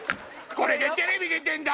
これでテレビ出てんだ！